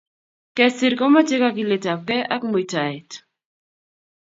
Kesir komochei kagiletabgei ako mutaet.